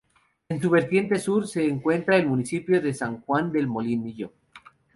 En su vertiente Sur se encuentra el municipio de San Juan del Molinillo.